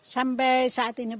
sampai saat ini belum